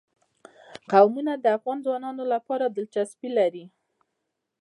قومونه د افغان ځوانانو لپاره دلچسپي لري.